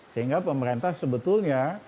sehingga pemerintah sebetulnya